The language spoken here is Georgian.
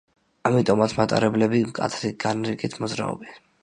ამიტომაც, მატარებლები მკაცრი განრიგით მოძრაობენ.